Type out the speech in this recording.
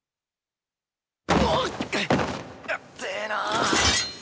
うわいってえな。